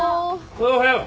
おはよう。